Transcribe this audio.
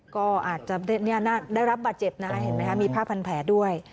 ก็อาจจะได้รับบาดเจ็บนะเห็นไหมคะมีผ้าพันแผลด้วย